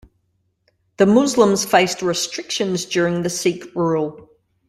The Muslims faced restrictions during the Sikh rule.